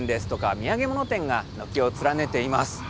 土産物店が軒を連ねています。